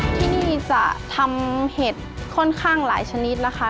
ที่นี่จะทำเห็ดค่อนข้างหลายชนิดนะคะ